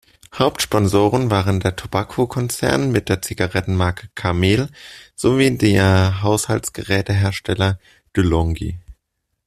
Hauptsponsoren waren der Tobacco-Konzern mit der Zigarettenmarke Camel sowie der Haushaltsgerätehersteller De’Longhi.